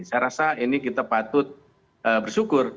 saya rasa ini kita patut bersyukur